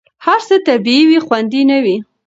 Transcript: هر څه طبیعي وي، خوندي نه وي.